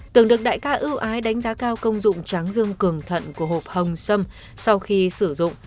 từng được đại ca ưu ái đánh giá cao công dụng tráng dương cường thận của hộp hồng sâm sau khi sử dụng